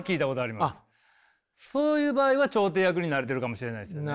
そういう場合は調停役になれてるかもしれないですよね。